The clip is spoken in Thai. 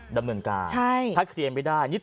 สุดทนแล้วกับเพื่อนบ้านรายนี้ที่อยู่ข้างกัน